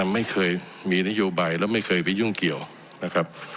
ไม่เคยมีนโยบายแล้วไม่เคยไปยุ่งเกี่ยวนะครับ